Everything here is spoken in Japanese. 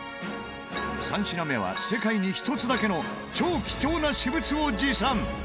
３品目は世界に一つだけの超貴重な私物を持参。